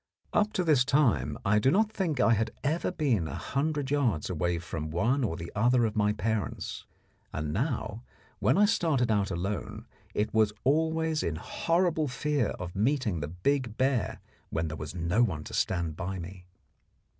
Up to this time I do not think I had ever been a hundred yards away from one or other of my parents, and now, when I started out alone, it was always in horrible fear of meeting the big bear when there was no one to stand by me.